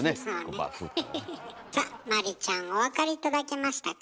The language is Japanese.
さあマリちゃんお分かり頂けましたか？